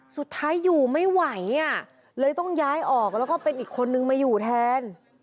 สุดท้ายอยู่ไม่ไหวอ่ะเลยต้องย้ายออกแล้วก็เป็นอีกคนนึงมาอยู่แทน